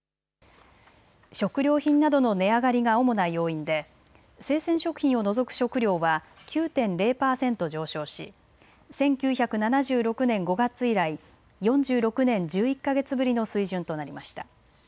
食料品などの値上がりが主な要因で生鮮食品を除く食料は９．０％上昇し１９７６年５月以来４６年１１か月ぶりの水準となりました。